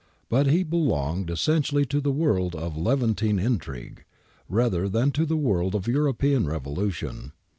But he belonged essentially to the world of Levantine intrigue, rather than to the world of European revolution.